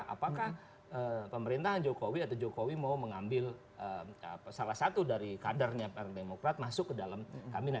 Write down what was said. apakah pemerintahan jokowi atau jokowi mau mengambil salah satu dari kadernya demokrat masuk ke dalam kabinet